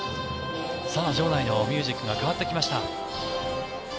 場内のミュージックが変わってきました。